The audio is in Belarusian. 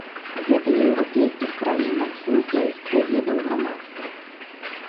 Гэта еўрапейскіх краінах слухаюць поглядаў грамадства.